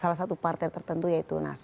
salah satu partai tertentu yaitu nasdem